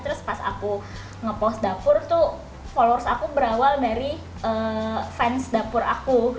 terus pas aku ngepost dapur tuh followers aku berawal dari fans dapur aku